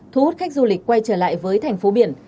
thu hút khách du lịch quay trở lại với thành phố biển